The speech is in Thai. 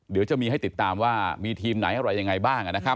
เดี๋ยวจะมีให้ติดตามว่ามีทีมไหนอะไรยังไงบ้างนะครับ